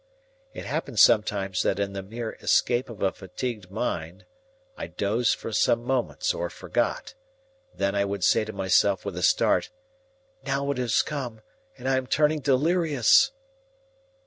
It happened sometimes that in the mere escape of a fatigued mind, I dozed for some moments or forgot; then I would say to myself with a start, "Now it has come, and I am turning delirious!"